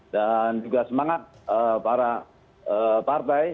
dan juga semangat para partai